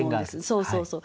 そうそうそう。